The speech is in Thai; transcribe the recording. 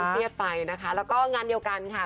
เกล็ดไปนะคะแล้วก็เงียดกันค่ะ